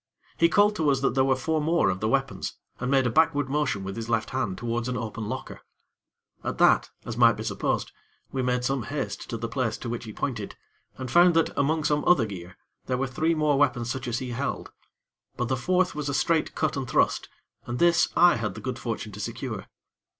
He called to us that there were four more of the weapons, and made a backward motion with his left hand towards an open locker. At that, as might be supposed, we made some haste to the place to which he pointed, and found that, among some other gear, there were three more weapons such as he held; but the fourth was a straight cut and thrust, and this I had the good fortune to secure.